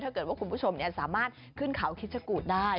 ถ้าเกิดว่าคุณผู้ชมสามารถขึ้นเขาคิดชะกูดได้